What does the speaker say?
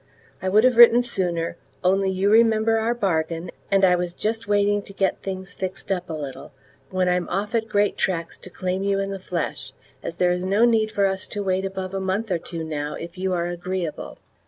I would have written sooner, only you remember our bargain, and I was just waiting to get things fixed up a little, when I'm off at great tracks to claim you in the flesh, as there is no need for us to wait above a month or two now if you are agreeable.